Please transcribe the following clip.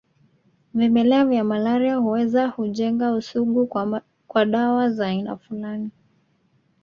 Vimelea vya malaria huweza hujenga usugu kwa dawa za aina fulani